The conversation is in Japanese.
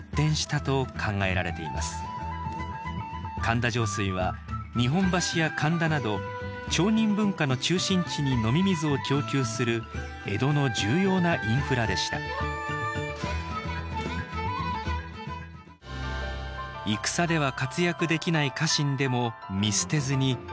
神田上水は日本橋や神田など町人文化の中心地に飲み水を供給する江戸の重要なインフラでした戦では活躍できない家臣でも見捨てずに違った能力を見いだす。